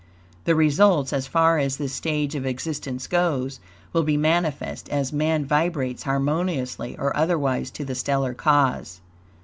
The results, as far as this stage of existence goes, will be manifest as man vibrates harmoniously or otherwise to the stellar cause.